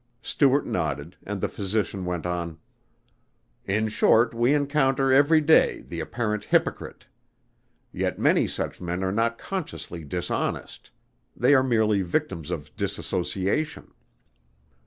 Stuart nodded and the physician went on: "In short we encounter, every day, the apparent hypocrite. Yet many such men are not consciously dishonest. They are merely victims of disassociation."